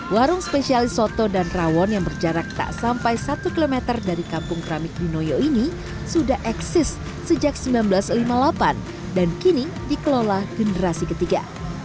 warung spesialis soto dan rawon yang berjarak tak sampai satu km dari kampung keramik di noyo ini sudah eksis sejak seribu sembilan ratus lima puluh delapan dan kini dikelola generasi ketiga